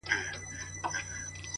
هره تجربه د ژوند نوی رنګ لري!